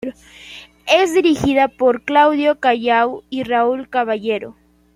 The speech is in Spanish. Es dirigida por Claudio Callao y Raúl Caballero.